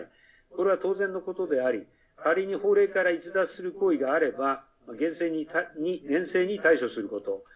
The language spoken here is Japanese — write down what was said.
これは当然のことであり仮に法令から逸脱する行為があれば厳正に対処すること。